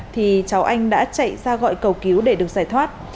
thì cháu anh đã chạy ra gọi cầu cứu để được giải thoát